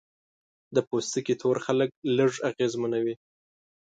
د پوستکي تور خلک لږ اغېزمنېږي.